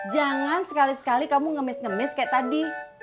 jangan sekali sekali kamu ngemis ngemis kayak tadi